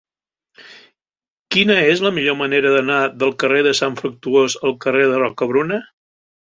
Quina és la millor manera d'anar del carrer de Sant Fructuós al carrer de Rocabruna?